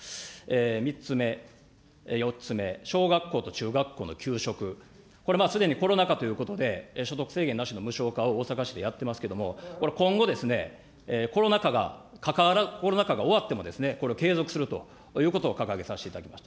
３つ目、４つ目、小学校と中学校の給食、これすでにコロナ禍ということで、所得制限なしの無償化を大阪市でやってますけれども、今後、コロナ禍が終わっても、これを継続するということを掲げさせていただきました。